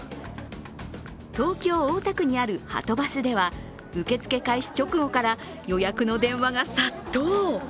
東京・大田区にあるはとバスでは受け付け開始直後から予約の電話が殺到。